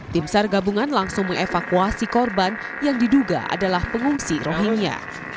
tim sargabungan langsung mengevakuasi korban yang diduga adalah pengungsi rohingnya